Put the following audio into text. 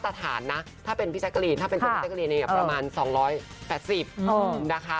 สถานนะถ้าเป็นพี่แจ๊กกะลีนถ้าเป็นคนพี่แจ๊กกะลีนเนี่ยประมาณ๒๘๐นะคะ